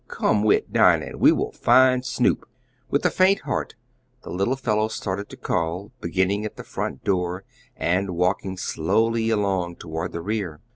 "Come wit Dinah and we will find Snoop." With a faint heart the little fellow started to call, beginning at the front door and walking slowly along toward the rear.